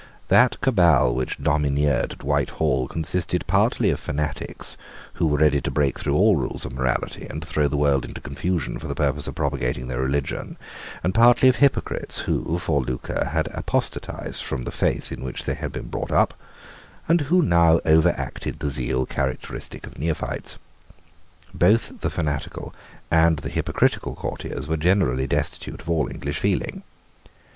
That cabal which domineered at Whitehall consisted partly of fanatics, who were ready to break through all rules of morality and to throw the world into confusion for the purpose of propagating their religion, and partly of hypocrites, who, for lucre, had apostatized from the faith in which they had been brought up, and who now over acted the zeal characteristic of neophytes. Both the fanatical and the hypocritical courtiers were generally destitute of all English feeling.